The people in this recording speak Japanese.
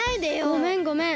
ごめんごめん。